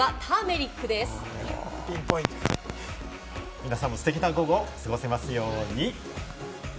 皆さんもステキな午後を過ごせますように。